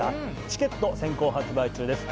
チケット先行発売中です